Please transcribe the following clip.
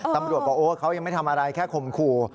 ตำรวจบอกโอ้เขายังไม่ทำอะไรแค่ข่มขู่